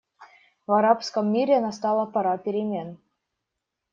В арабском мире настала пора перемен.